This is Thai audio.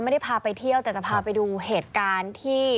ไม่ได้พาไปเที่ยวแต่จะพาไปดูเหตุการณ์ที่